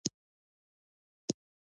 دا پروسه به په کامیابۍ سره پر مخ لاړه شي.